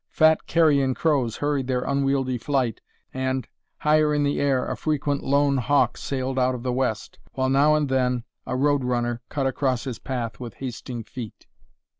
Fat carrion crows hurried their unwieldy flight and, higher in the air, a frequent lone hawk sailed out of the west, while now and then a road runner cut across his path with hasting feet.